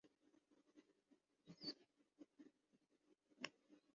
تمباکو نوشی کرنے والے کے پھیپھڑے متاثر ہوتے ہیں